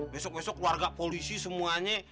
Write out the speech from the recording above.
besok besok warga polisi semuanya